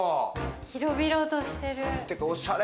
広々としてる！